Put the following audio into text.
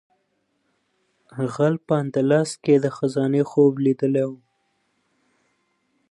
غل په اندلس کې د خزانې خوب لیدلی و.